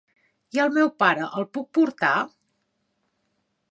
I el meu pare, el puc portar?